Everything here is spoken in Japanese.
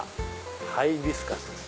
ハイビスカスです。